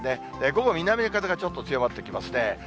午後、南風がちょっと強まってきますね。